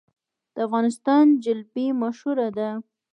د افغانستان جلبي مشهوره ده